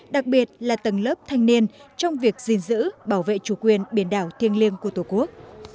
đặc biệt là tầng lớp thanh niên trong việc gìn giữ bảo vệ chủ quyền biển đảo thiêng liêng của tổ quốc